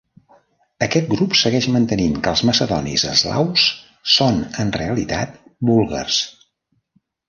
Aquest grup segueix mantenint que els macedonis eslaus són, en realitat, búlgars.